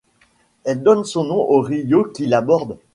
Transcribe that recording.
Elle donne son nom au rio qui la borde.